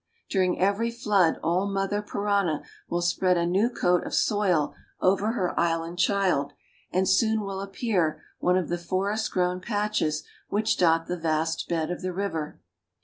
During every flood old Mother Parana will spread a new coat of soil over her island child, and soon will appear one of the forest grown patches which dot the vast bed of the river.